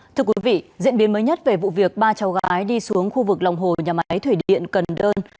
thưa quý vị diễn biến mới nhất về vụ việc ba cháu gái đi xuống khu vực lòng hồ nhà máy thủy điện cần đơn